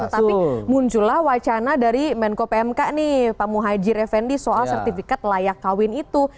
tapi muncullah wacana dari menko pmk nih pak muhajir effendi soal sertifikat layak kawin itu